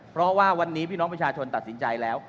เพราะว่าวันนี้พี่น้องประชาชนตัดสินใจแล้ว